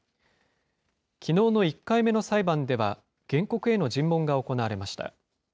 きのうの１回目の裁判では、原告への尋問が行われました。